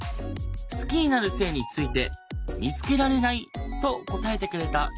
好きになる性について「見つけられない」と答えてくれた。